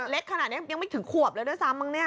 เล็กขนาดนี้ยังไม่ถึงขวบแล้วด้วยซ้ำมั้งเนี่ย